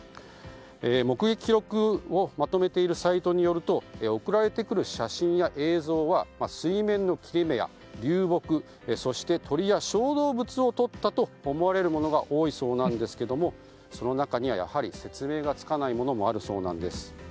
目撃記録をまとめているサイトによると送られてくる写真や映像は水面の切れ目や流木そして、鳥や小動物を撮ったと思われるものが多いそうなんですがその中には、やはり説明がつかないものもあるそうです。